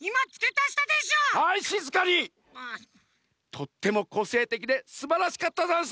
とってもこせいてきですばらしかったざんす！